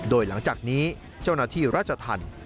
โดยหลังจากนี้เจ้าหน้าที่ราชธรรม